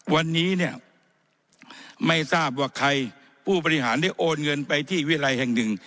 วันนี้เนี่ยไม่ทราบว่าใครผู้บริหารได้โอนเงินไปที่วิรัยแห่งหนึ่ง